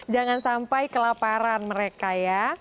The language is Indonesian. jangan sampai kelaparan mereka ya